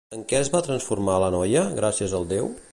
En què es va transformar la noia, gràcies al déu?